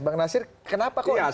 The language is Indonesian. bang nasir kenapa kau menganjurkan ini